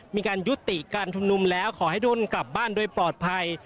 มีการยุติการชุมนุมแล้วขอให้ดนกลับบ้านโดยปลอดภัย